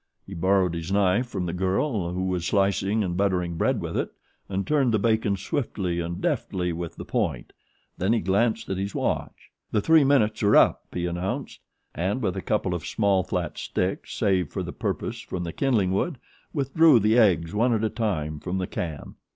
He borrowed his knife from the girl, who was slicing and buttering bread with it, and turned the bacon swiftly and deftly with the point, then he glanced at his watch. "The three minutes are up," he announced and, with a couple of small, flat sticks saved for the purpose from the kindling wood, withdrew the eggs one at a time from the can.